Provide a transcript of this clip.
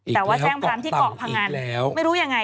แต่ว่าแจ้งความที่เกาะพงันไม่รู้ยังไง